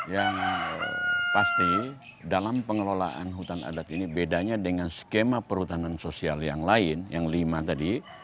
yang pasti dalam pengelolaan hutan adat ini bedanya dengan skema perhutanan sosial yang lain yang lima tadi